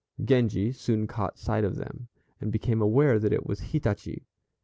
Genji soon caught sight of them, and became aware that it was Hitachi.